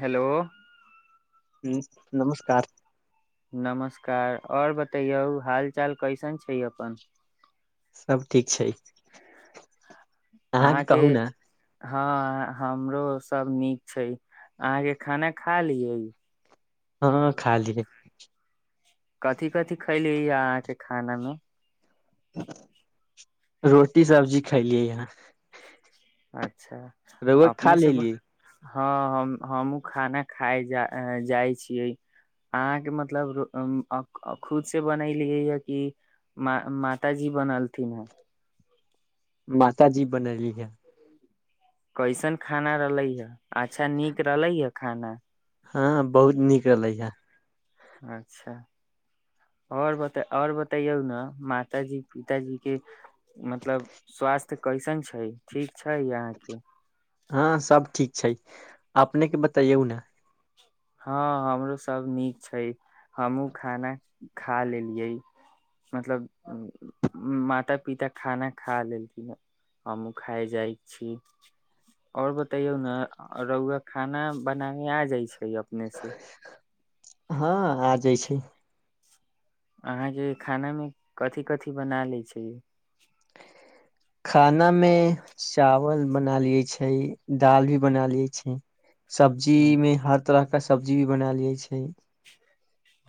Hello ह नमस्कार नमस्कार आओर बतैयौ हाल चाल कैसन छै अपन सब ठीक छै अहाँके कहू ने हँ हमरो सब नीक छै अहाँके खाना खा लियै हँ खाली ह कथी कथि खैली अहाँके खाना मे रोटी सब्जी खईलिय हन अच्छा अपनेसँ हँ हम हमूँ खाना खाय जा जाइ छियै अहाँके मतलब खुद से बनेलियै य कि म मातााजी बनलथिन हे माताजी बनलीए हन कैसन खाना रहलै हे अच्छा नीक रहलै हा खाना हँ बहुत नीक रहलै हा अच्छा आओर बताइयों न आओर बतैयौ ने मातााजी पिताजीके मतलब स्वास्थ तऽ कैइसन छै ठीक छै यहाँ के हँ सभ ठीक छै अपनेके बतैयौ ने हँ हमरो सब नीक छै हमहुूँ खाना खा लेलियए मतलब माता पिता खाना खा लेलखिन हमहुँ खा जाइ छी आओर बतैयौ ने रहुआ खाना बनाबे आ जाइ छै इनेस हँ आ जाइ छै अहाँके खानामे कथि कथि बना लैत छै खाना मे चावल बना लिये छै दालि भी बना लिये छै हँ, सब्जीमे हर तरह के सब्जी भी बनायल लिए छै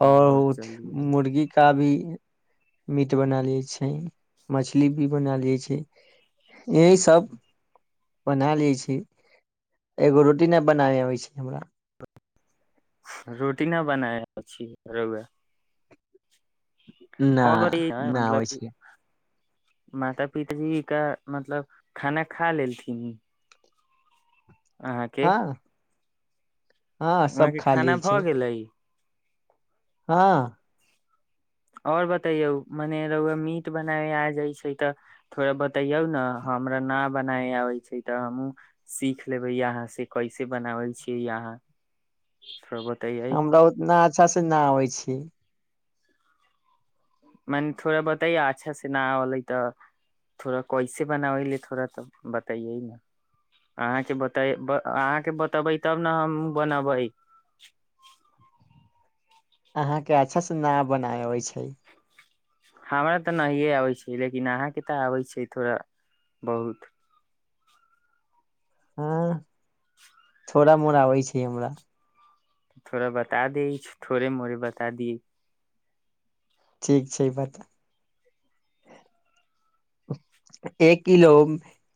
ओर चलियै। मुर्गी का भी मीट बना लिए छै मछली भी बना लिए छै यही सब बना लिय छी एगो रोटी नहि बनाबै अबै छी हमरा रोटी न बनाय छी रगे न बतैयौ ने न आै मतलब छै माता पिताजी क मतलब खाना खा लेलथिन अहाँ क हँ हँ वहाँ सब के खा लै खाना छै भऽ गेलै हँ आओर बतैयौ मने रौए मीट बनाय आ जाइ छै तऽ थोड़ा बतैयौ ने हमरा न बनाय आबै छै तऽ हमहूँ सीख लेबै यहाँसँ कैसे बनाबै छियै अहाँ थोड़ा बतैयै हमरा उतना अच्छा से नहि आबै छी मने थोड़ा बतइयए अच्छा से नहि अलै तऽ थोड़ा कैसे बनाबैले थोड़ा तऽ बतैयै ने अहाँके बतै अहाँके बतेबै तब ने हम बनबै अहाँके अच्छासँ न बनायबइ छै हमरा तऽ नहिए आबै छै लेकिन अहाँके तऽ आबै छै थोड़ा बहुत हँ थोड़ा मोर आबै छै हमरा थोड़ा बता द थोड़े मोड़े बता दियए ठीक छै ई बता एक किलो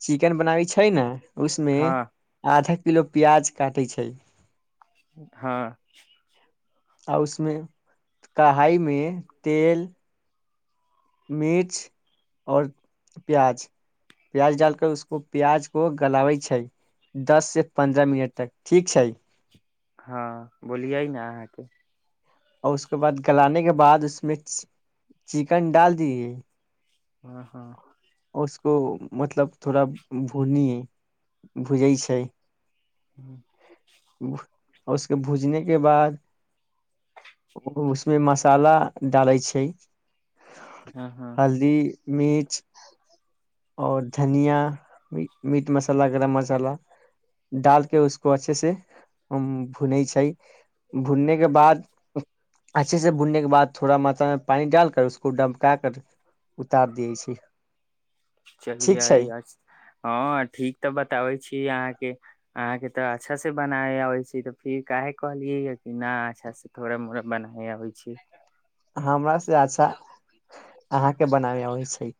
चिकन बनाबी छै ने उसमे हँ आधक किलो प्याज काटै छै हँ आ उसमे कढ़ाई मे तेल मिर्च और प्याज प्याज डालकर उसको प्याज को गलाबै छै दस से पन्द्रह मिनट तक ठीक छै हँ बोलियै ने अहाँके आऔर उसके बाद गलाे के बाद उसमे चिकन डाल दीए हँ हँ उसको मतलब थोड़ा भुनी भुजै छै हँ उसके भुजनेके बाद ओ उसमे मसाला डालै छै हँ हँ हल्दी मिर्च और धनिया मीट मसाला गरम मसाला डालके उसको अच्छे से उ भुनै छै भुनने के बाद अच्छे से बुनने के बाद थोड़ा मात्रा मे पानी डाल कर उसको डमका कर उतार दियै छी चलिय हँ ठीक तऽ बताबै छी अहाँ अहाँके तऽ अच्छा से बनाब अबै छै तऽ फिर काहे कहलियै य कि नहि अच्छा से थोड़ा मोड़ा बनाय अबै छै हमरा से अच्छा अहाँके बनाबै अबै छै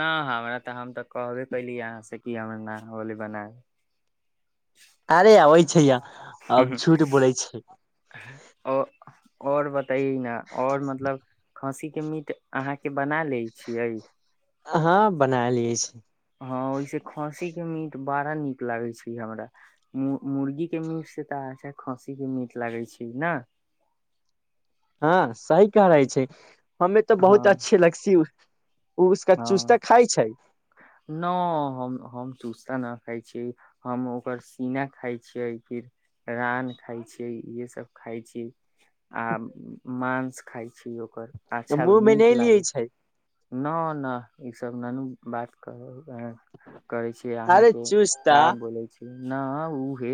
नहि हमरा तऽ हम तऽ कहबे कली यहाँ से कि हम न होले बना अरे य ओहि छैया ओ आओर बता तै ने ओर मतलब खाँसी के मीट अहाँ के बना ले छियै हँ बना लिय छी हँ ओहिसे खाँसी के मीट बड़ा नीक लागे छै हमरा मु मुर्गी के मीट से तऽ अच्छा खस्सी के मीट लागै छै ने हँ सही कहै छै हमे तो बहुत हँ अच्छी लगस हँ न हम हम चू ना खााय छी हम ओकर सीना खाय छियै फिर रान खायाय छै इहे सब खाय छी आ मांस खााय छी ओकर अच्छा मुँहमे नीक नहि लियै लागे छै न न ई सब ननू बात कह करै छी अहाँ अरे के चूस्ता क बोले छी न ओहे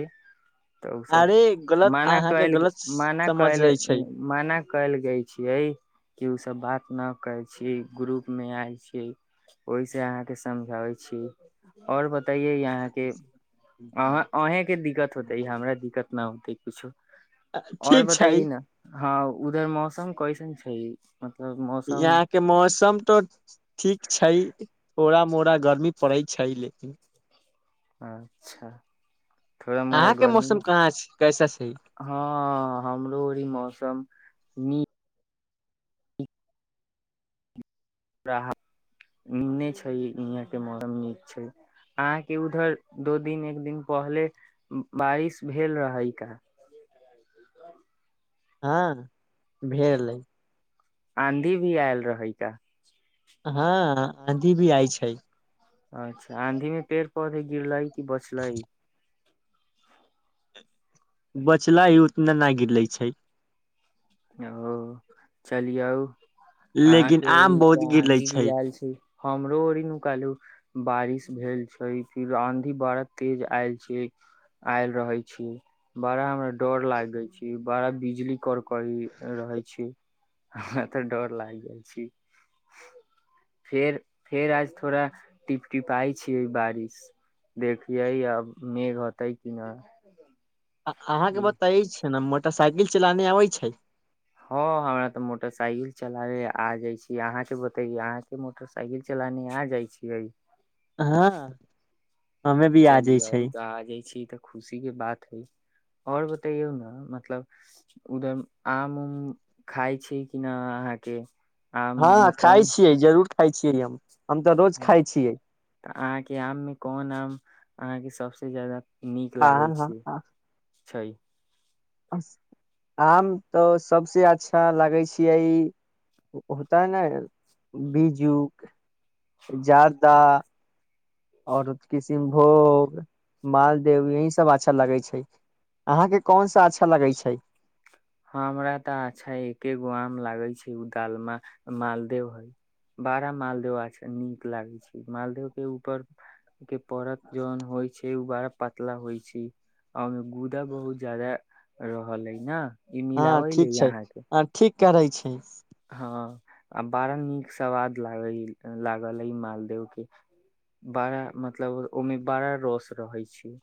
तऽ ओसभ अरे गलत मान अहाँके कल गलत मान समझ कल रहे छै मान कयल गेलइ छियै कि ओसभ बात इना कहै छी ग्रुप में आयल छी ओहि से अहाँ के समझाबै छी और ब यहाँ के अहें के दिक्कत होते हमरा दिक्कत न होते किछु आओर ठीक छै बताइए न हँ उधर मौसम कइसन प मतलब मौसम यहाँ के मौसम तो ठीक छै थोड़ा मो परा गर्मी पड़ै छै लेकिन अच्छा थोड़ा मोड़ा अहाँके गर्मी मौसम कहाँ छै कैसा छै हँ हमरो ओ मौसम न र नने छै यहाँ के मौसम नीक छै अहाँके उधर दो दिन एक दिन पहले बारिश भेल रहै का हँ भरै आँधी भी आयल रहै का हँ आधी भी आइ छै अच्छा आँधी में पेड़ पधे गिरलाइ किी बचलाई बचला ही उतना नहि गिर लै छै ओ चलि आउ लेकिन अहाँके ओ आम त बहुत गिरले दीदी छै आयल छी हमरो ओ नुकालू बारिश भेल छै फिर आंधी बड़ा तेज आयल छै आयल रहे छी बड़ा हमरा डर लागे छै बड़ा बिजली कर की रहै छी हमरा तऽ डर लागि जाइ छी फेर फेर आज थोड़ा टिप टिपाई छीियै बारिश देखिये आब मेघ होते कि न अहाँके ई बताय छै ने म मोटरसाइकिल चलाने अबै छै हँ हमरा तऽ मोटरसाइकिल चलाबे आ जाय छी अहाँ के बतेय अहाँ के मोटरसाइकिल चलााने आ जाय छीियै हँ हमे भी चलि जाइ आ छै तऽ आ जाइ छी तऽ खुशी के बात हइ आओर बतैयौ ने मतलब उधर आम उम खाइ छी कि न अहाँके आम हँ खााय छियै जरूर खइ छियै हम हम तऽ रोज ह खाइ छियै तऽ अहाँके आममे कोन आम अहाँके सभसँ ज्यादा नीक हँ लागै हँ छै आम तऽ सभसँ अच्छा लागै छियै ई होता है ने बीजुक जादा और किशनभोग मालदेव यही सभ अच्छा लगै छै अहाँके कोन सा अच्छा लगै छै ह हमरा तऽ अच्छा एके गो आम लागे छै उ दालमा मालदेव है बारा मालदेव अ नीक लागे छै मालदेव के ऊपर के परक जौन होइ छै बारा पतला होइ छै आ ओहिमे गूदा बहुत ज्यदा रहल अइ ने हँ ठीक छै आ ठीक करै छै हँ आ बड़ा नीक सवाद लाग लागल अइ मालदेव के बड़ा मतलब ओहिमे बड़ा रस रहै छै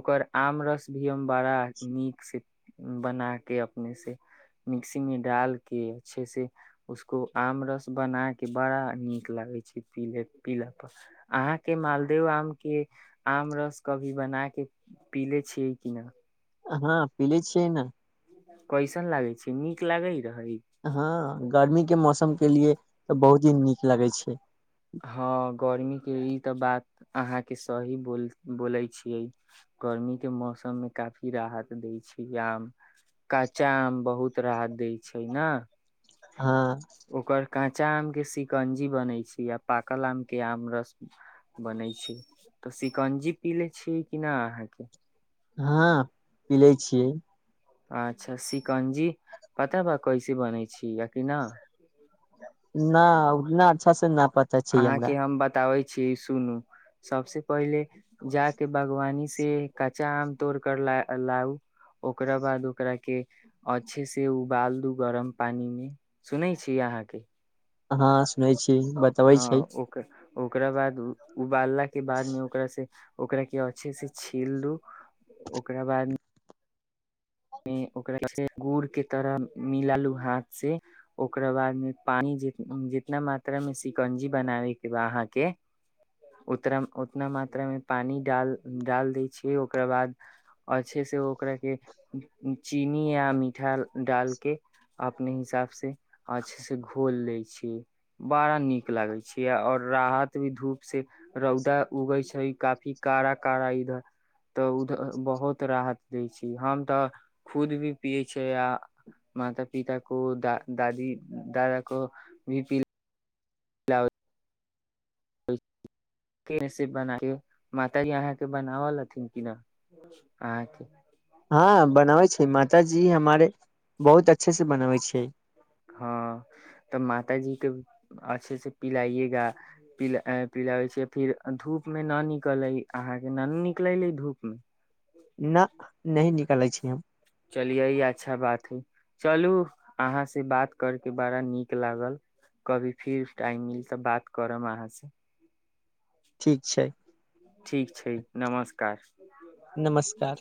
ओकर आम रस भी हम बड़ा नीक से बना के अपने से मिक्सी मे डाल के छै से उसको आम रस बना कऽ बड़ा नीक लागै छै पीले पीलापर अहाँके मालदेव आमके आम रस कभी बना कऽ पी ले छियै कि नहि हँ पीलेज छै ने कैसन लागै छै नीक लागै रहै हँ गर्मी के मौसम के लिए तऽ बहुत ही नीक लगै छै हँ गर्मीके ई तऽ बात अहाँके सही बोल बोलै छियै गर्मीके मौसममे काफी राहत दै छै आम काँचा आम बहुत राहत दै छै ने हँ ओकर काँचा आम के सिकंजी बनै छी आ पाकल आम के आम रस बनै छै तऽ शिकंजी पी ले छियै कि नहि अहाँके हँ पिले छियै अच्छा सिकंजी पता बा कैसे बनै छी याकि न न उतना अच्छा से न पता छै हमरा अहाँके हम बताबै छी छी सुनू सबस पहिले जााके बागवानी से कच्चा आम तोड़ कर लाउ ओकरा बाद ओकरा के अच्छे से उबाल दू गरम पानी मे सुनै छीय अहाँके हँ सुनै छी जी बतबै छै हँ ओकर ओकरा बाद उ बालला के बाद में ओकरा से ओकरा के अछे से छील लू ओकरा बाद गुड़ के तरह मिल लू हाथ से ओकरा बाद मे पानी जितना मात्रा मे शिकंजी बनाबे के बा अहाँके उ उतना मात्रा मे पानी ड डाल दै छियै ओकरा बाद अच्छे से ओकरा के चीनी या मिठाल डालके अपने ह हिसाब से अच्छे से घोल ले छीियै बड़ा नीक लागे छै ओर राहत भी धूप से रौदा उगै छै काफी कड़ा कारा इधर तऽ उधर बहुत राहत देै छै हम तऽ खुद भी पियै छै आ माता पिता को द दादी दादा को भी पी बना माताजी अहाँके बनावल हथिन कि न अहाँके हँ बनाबै छै माताजी हमारे बहुत अच्छे से बनाबै छैै हँ तऽ मातााजीे अच्छे से पिलाइएगा प पिलाबै छियै फिर धूप मे न निकललै अहाँके नहि निकलले धूपमे न न निकलै छी हम चलि यही अच्छा बात हइ चलू अहाँसँ बात करके बड़ा नीक लागल कभी फिर टाइम मिल तऽ बात करब अहाँसँ ठीक छै ठीक छै नमस्कार नमस्कार